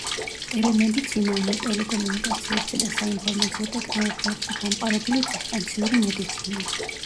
ტელემედიცინა, ანუ ტელეკომუნიკაციებზე და საინფორმაციო ტექნოლოგიებზე დამყარებული დისტანციური მედიცინა.